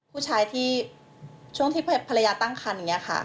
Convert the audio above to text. ผู้ชายที่ช่วงที่ภรรยาตั้งคันอย่างนี้ค่ะ